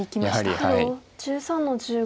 黒１３の十五。